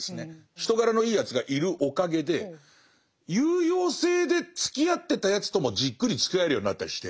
人柄のいいやつがいるおかげで有用性でつきあってたやつともじっくりつきあえるようになったりして。